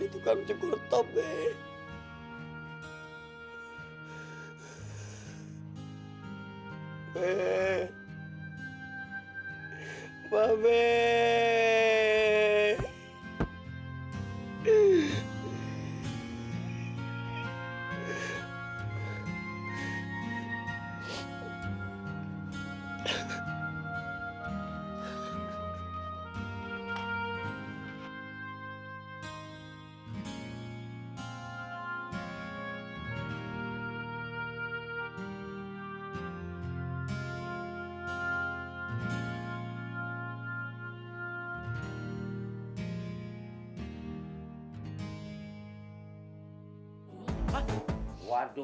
ya lu lihat dong nyatanya